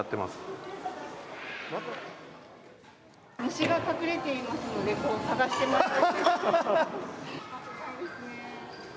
虫が隠れていますのでこう探してください。